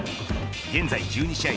現在１２試合